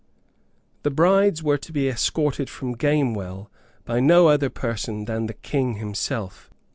The brides were to be escorted from Gamewell by no other person than the King himself.